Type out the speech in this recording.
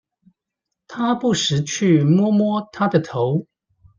他不時去摸摸她的頭